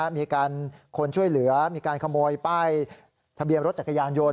มีคนช่วยเหลือมีการขโมยป้ายทะเบียนรถจักรยานยนต